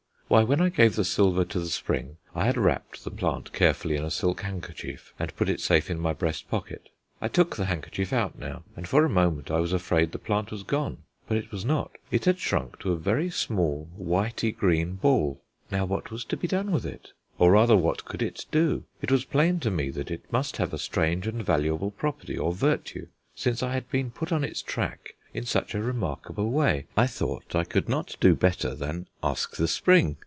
Why, when I gave the silver to the spring I had wrapped the plant carefully in a silk handkerchief and put it safe in my breast pocket. I took the handkerchief out now, and for a moment I was afraid the plant was gone; but it was not. It had shrunk to a very small whity green ball. Now what was to be done with it, or rather what could it do? It was plain to me that it must have a strange and valuable property or virtue, since I had been put on its track in such a remarkable way. I thought I could not do better than ask the spring.